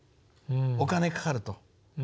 お金かかると。